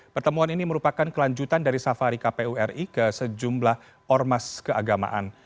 pertemuan ini merupakan kelanjutan dari safari kpu ri ke sejumlah ormas keagamaan